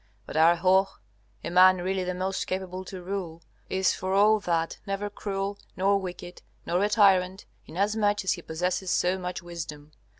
But our Hoh, a man really the most capable to rule, is for all that never cruel nor wicked, nor a tyrant, inasmuch as he possesses so much wisdom.